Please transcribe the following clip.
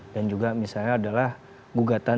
dan juga misalnya adalah gugatan